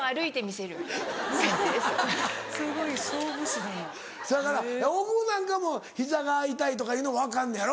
せやから大久保なんかも膝が痛いとかいうの分かんねやろ？